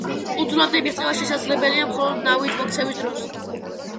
კუნძულამდე მიღწევა შესაძლებელია მხოლოდ ნავით მოქცევის დროს.